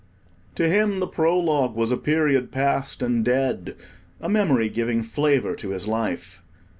To him the Prologue was a period past and dead; a memory, giving flavour to his life.